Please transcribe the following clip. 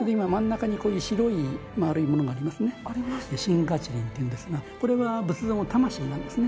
心月輪っていうんですがこれは仏像の魂なんですね。